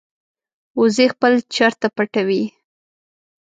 وزې خپل چرته پټوي